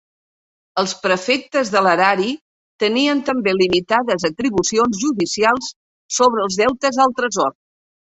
Els prefectes de l'erari tenien també limitades atribucions judicials sobre els deutes al tresor.